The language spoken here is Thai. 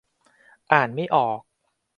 อ่านไม่ออก